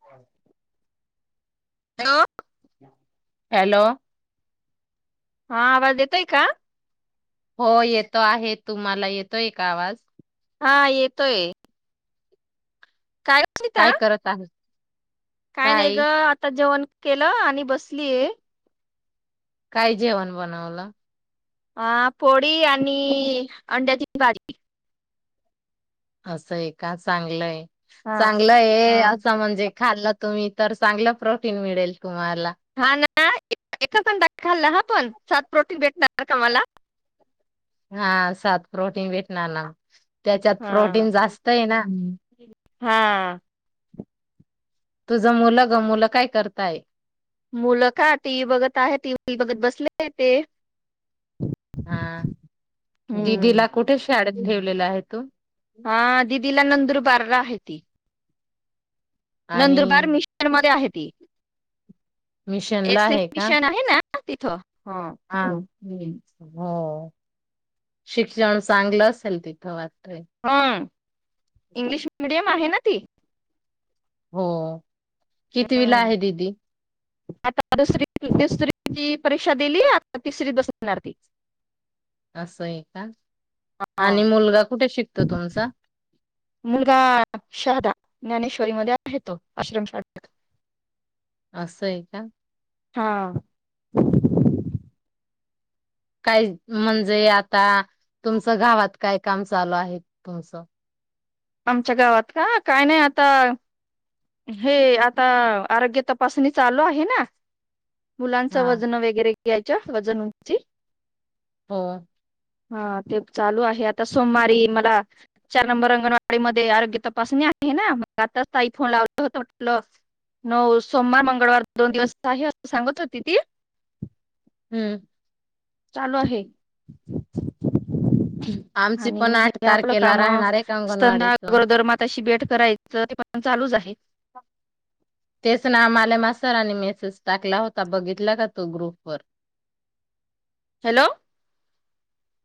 ह. हां? हॅलो. हा. आवाज येतोय का? हो, येतो आहे. तुम्हाला येतोय का आवाज? हा येतोय. कायच म्हणता? काय करत आहे काही नाही काय गं, आता जेवण- केलं आणि बसलीये - काय जेवण बनवलं? अं, पोडी आणि अंड्याची भाजी. असं आहे का? चांगलंयं. हा चांगलं आहे हा असं म्हणजे खाल्लं तुम्ही- तर चांगलं प्रोटीन मिळेल. तुम्हाला हा ना, एकच अंड खाल्लं हं पण - सात प्रोटीन भेट ना कामाला. हा, सात प्रोटीन भेटणार ना? त्याच्यात हा प्रोटीन जास्त आहे ना? हा. तुझं मुलं ग मुलं काय करताय? मुलं का टीव्ही बघत आहेत. टी व्ही बघत बसलेय ते- हा हम्म दिदीला कुठे शाळेत ठेवलेलं आहे तू? हा दिदीला नंदुरबारला आहे ती आणि नंदुरबार मिस्टर मध्ये आहेत. ती मिशनला एस एम आहे का? मिशन आहे ना तिथं. हा आ हो, शिक्षण चांगलं असेल तिथं वा [inaudible] इंग्लिश मिडियम आहे ना ती. हो कितीविला आहे दीदी? आता दुसरी दुसरी ची परीक्षा दिली. आता तिसरी बसविणार ती असं आहे का आणि हा. मुलगा कुठे शिक तोय तुमचा? मुलगा शहादा ज्ञानेश्वरी मध्ये आहे. तो आश्रम शाळेत असं आहे का. हा काय म्हणजे आता तुमचं गावात काय काम चालू आहे. तुमचं आमच्या गावात का काय नाही आता हे आता आरोग्य तपासणी चालू आहे ना. मुलांचं हा वजन वगैरे घ्यायच्या वजन, उंची हो हा ते चालू आहे. आता सोमवारी मला चार नंबर रंगणवा वाडी मध्ये आरोग्य तपासणी आहे ना मग आताच ताई फोन लावलं होत म्हंटल नऊ सोमवार, मंगळ मंगळवार दोन दिवस आहे. सांगत होती ती हम्म चालू आहे. आमची पण आणि आठ हे आपलं तारखेला काम राहणार आहे स्तना, अंगणवाडीच गरोदरमाताशी भेट करायचं ते पण चालूच आहे. तेच नाव मालेमा सरांनी मेसेज टाकला होता. बघितला का तो ग्रुपवर हॅलो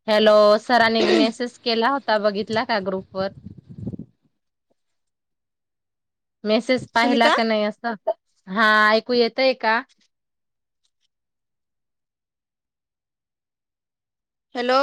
हॅलो सरांनी मेसेज केला होता बघितला का ग्रुप वर मेसेज पाहिला सुनीता का नाही असं हा ऐकू येतय का? हॅलो